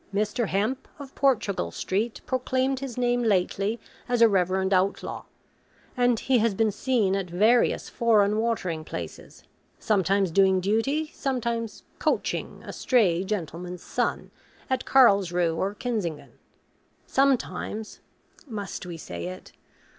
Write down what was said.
Mr. Hemp, of Portugal Street, proclaimed his name lately as a reverend outlaw; and he has been seen at various foreign watering places; sometimes doing duty; sometimes 'coaching' a stray gentleman's son at Carlsruhe or Kissingen; sometimes must we say it?